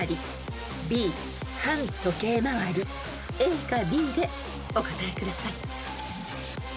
［ＡかＢでお答えください］